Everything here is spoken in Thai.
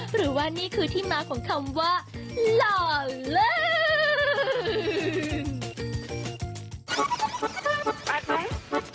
หรือว่านี่คือที่มาของคำว่าหล่อเลิศ